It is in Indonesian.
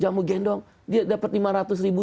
jamu gendong dia dapat lima ratus ribu